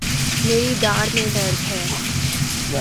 میری داڑھ میں درد ہے